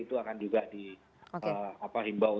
itu akan juga dihimbau